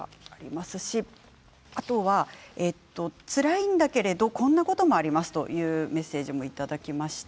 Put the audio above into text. つらいんだけどこんなこともありますというメッセージもいただきました。